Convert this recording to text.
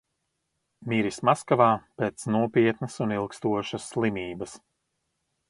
Miris Maskavā pēc nopietnas un ilgstošas slimības.